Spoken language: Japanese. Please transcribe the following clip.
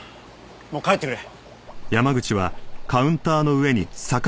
もう帰ってくれ。